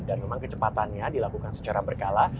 dan memang kecepatannya dilakukan secara berkala